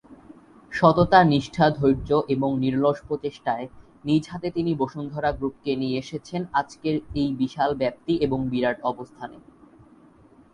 সততা, নিষ্ঠা, ধৈর্য এবং নিরলস প্রচেষ্টায় নিজ হাতে তিনি বসুন্ধরা গ্রুপকে নিয়ে এসেছেন আজকের এই বিশাল ব্যাপ্তি এবং বিরাট অবস্থানে।